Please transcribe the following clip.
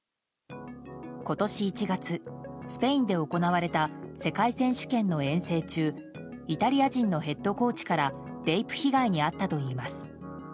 今年１月、スペインで行われた世界選手権の遠征中イタリア人のヘッドコーチからレイプ被害に遭ったといいます。